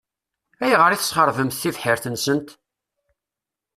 Ayɣer i tesxeṛbemt tibḥirt-nsent?